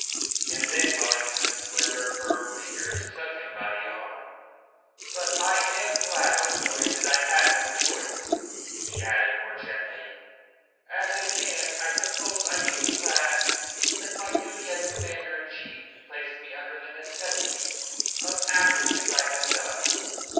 And then Wellington's slender, firm fingers took him by the arm. "But I am glad, O'Moy, that I had no choice," he added more gently. "As a man, I suppose I may be glad that my duty as Commander in Chief placed me under the necessity of acting as I have done."